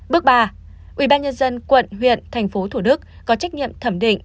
bước ba ubnd quận huyện tp thủ đức có trách nhiệm thẩm định